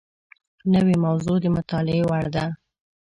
نوې موضوع د مطالعې وړ ده